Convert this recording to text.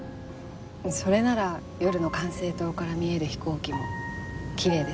それなら夜の管制塔から見える飛行機もきれいですよ。